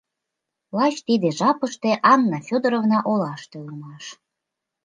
Лач тиде жапыште Анна Фёдоровна олаште улмаш.